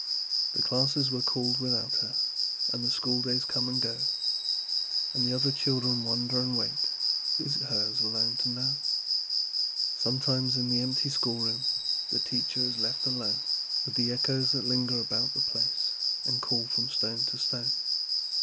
The classes were called without her, And the schooldays come and go, And other children wonder and wait It is hers alone to know. Sometimes, in the empty schoolroom, The teacher is left alone With the echoes that linger about the place And call from stone to stone.